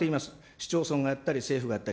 市町村がやったり政府がやったり。